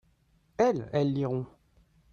elles, elles liront.